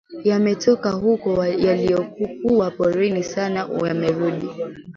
yametoka huko yalikokuwa porini sasa yamerudi